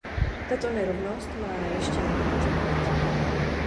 Tato nerovnost má ještě jeden aspekt.